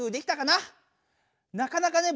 なかなかね